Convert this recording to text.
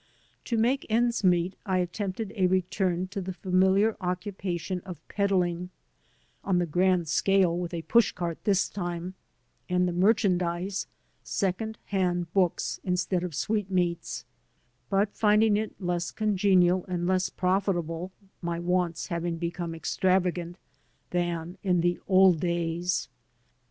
To make ends meet I attempted a return to the familiar occupation of peddling (on the grand scale, with a pushcart, this time, and the merchan dise second hand books instead of sweetmeats) but found it less congenial and less profitable — ^my wants having become extravagant — ^than in the old days.